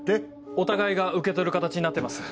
お互いが受け取る形になってます。